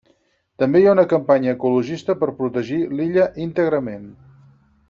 També hi ha una campanya ecologista per protegir l’illa íntegrament.